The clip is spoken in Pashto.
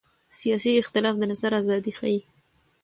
سیاسي اختلاف د نظر ازادي ښيي